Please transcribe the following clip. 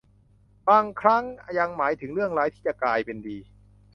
บางครั้งยังหมายถึงเรื่องร้ายที่จะกลายเป็นดี